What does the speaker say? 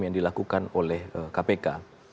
yang dilakukan oleh kpk